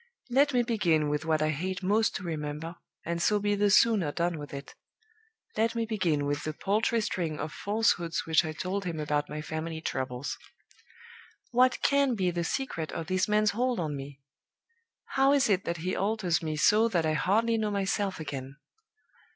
"Let me begin with what I hate most to remember, and so be the sooner done with it let me begin with the paltry string of falsehoods which I told him about my family troubles. "What can be the secret of this man's hold on me? How is it that he alters me so that I hardly know myself again?